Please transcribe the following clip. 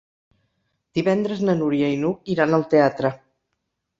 Divendres na Núria i n'Hug iran al teatre.